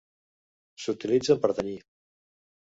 S'utilitzen per tenyir.